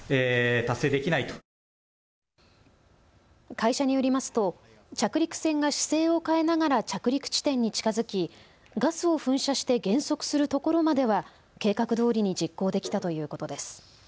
会社によりますと着陸船が姿勢を変えながら着陸地点に近づきガスを噴射して減速するところまでは計画どおりに実行できたということです。